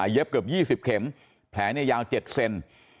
เย็บเกือบ๒๐เข็มแผลเนี่ยยาว๗เซน